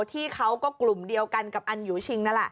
ที่เขาก็กลุ่มเดียวกันกับอันยูชิงนั่นแหละ